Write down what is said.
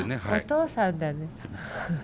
お父さんだね。